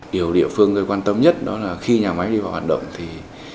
điều địa phương quan tâm nhất đó là khi nhà máy đi vào hoạt động thì